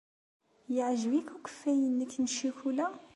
Yeɛjeb-ik ukeffay-nnek n ccikula?